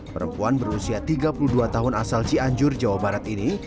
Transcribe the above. perempuan berusia tiga puluh dua tahun asal cianjur jawa barat ini